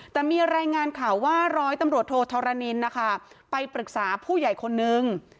แต่มีรายงานข่าวว่าร้อยตำรวจโทธรณินนะคะไปปรึกษาผู้ใหญ่คนนึง